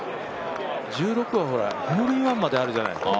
１６はホールインワンまであるじゃない。